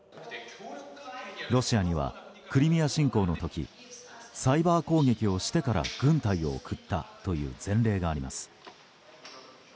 ロシアにはクリミア侵攻の時サイバー攻撃をしてから軍隊を送ったという前例があります。